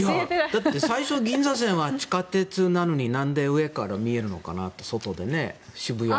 だって最初、銀座線は地下鉄なのになんで上から見えるのかなと渋谷。